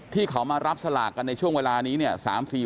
ที่เขามารับสลากกันในช่วงเวลานี้เนี่ย